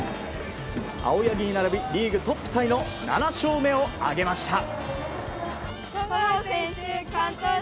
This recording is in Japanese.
青柳に並びリーグトップタイの７勝目を挙げました。